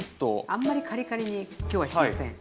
あんまりカリカリに今日はしません。